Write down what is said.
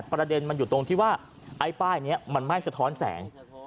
ประเด็นมันอยู่ตรงที่ว่าไอ้ป้ายนี้มันไม่สะท้อนแสง